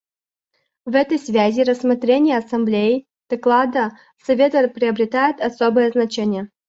В этой связи рассмотрение Ассамблеей доклада Совета приобретает особое значение.